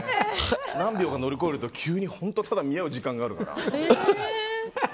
何秒か乗り越えると急にただ本当に見合う時間があるから。